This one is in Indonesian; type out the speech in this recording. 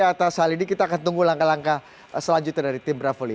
atas hal ini kita akan tunggu langkah langkah selanjutnya dari tim bravo lima